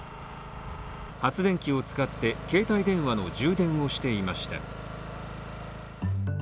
発電機を使って携帯電話の充電をしていました。